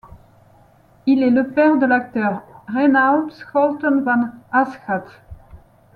Il est le père de l'acteur Reinout Scholten van Aschat.